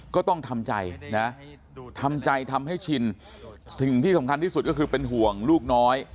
ก็ต้องทำใจนะทำใจทำให้ชินสิ่งที่สำคัญที่สุดก็คือเป็นห่วงลูกน้อย